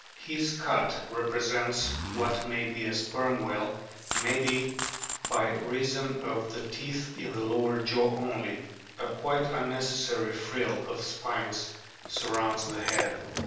His cut represents what may be a Sperm whale, maybe by reason of the teeth in the lower jaw only ; a quite unneces sary frill of spines surrounds the head.